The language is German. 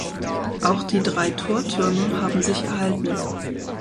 Auch die drei Tortürme haben sich erhalten.